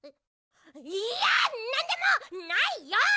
いやなんでもないよ！